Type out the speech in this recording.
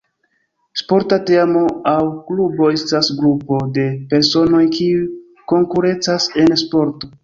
Sporta teamo aŭ klubo estas grupo de personoj kiuj konkurencas en sporto.